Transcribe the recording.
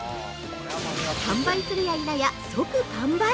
販売するや否や即完売！